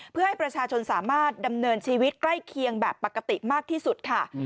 เพื่อให้ประชาชนสามารถดำเนินชีวิตใกล้เคียงแบบปกติมากที่สุดค่ะ